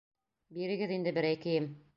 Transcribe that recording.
Бирегеҙ инде берәй кейем!